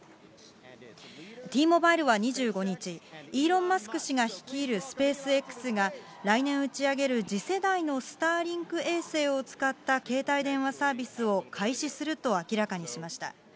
Ｔモバイルは２５日、イーロン・マスク氏が率いるスペースＸが、来年打ち上げる次世代のスターリンク衛星を使った携帯電話サービスを開始すると明らかにしました。